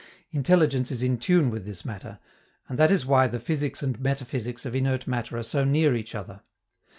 Intelligence is in tune with this matter, and that is why the physics and metaphysics of inert matter are so near each other.